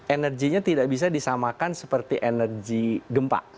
energinya tidak bisa disamakan seperti energi gempa